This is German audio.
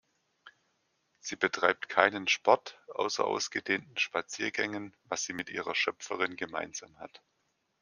Sie betreibt keinen Sport außer ausgedehnten Spaziergängen, was sie mit ihrer Schöpferin gemeinsam hat.